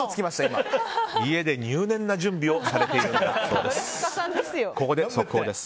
家で入念な準備をされているそうです。